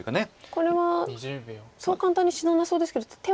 これはそう簡単に死ななそうですけど手は抜いてはいけない。